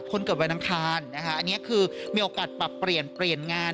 คนเกิดวันอังคารนะคะอันนี้คือมีโอกาสปรับเปลี่ยนเปลี่ยนงาน